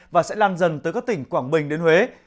và sẽ lan dần tới các tỉnh quảng bình đến huế